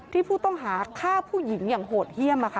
ผู้ต้องหาฆ่าผู้หญิงอย่างโหดเยี่ยม